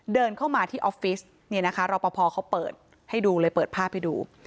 เดินเข้ามาที่ออฟฟิศเนี่ยนะคะรอปภเขาเปิดให้ดูเลยเปิดภาพให้ดู